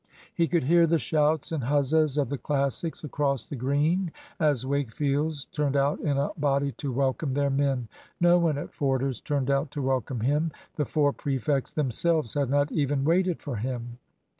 He could hear the shouts and huzzas of the Classics across the Green as Wakefield's turned out in a body to welcome their men. No one at Forder's turned out to welcome him. The four prefects themselves had not even waited for him.